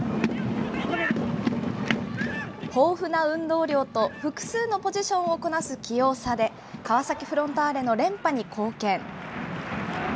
豊富な運動量と複数のポジションをこなす器用さで、川崎フロンターレの連覇に貢献。